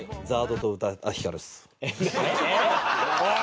おい！